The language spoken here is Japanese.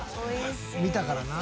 見たからな。